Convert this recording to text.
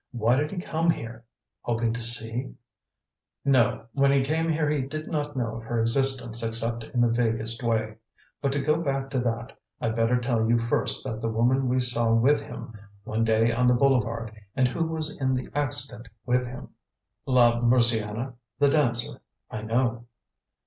Why did he come here? Hoping to see " "No. When he came here he did not know of her existence except in the vaguest way. But to go back to that, I'd better tell you first that the woman we saw with him, one day on the boulevard, and who was in the accident with him " "La Mursiana, the dancer; I know."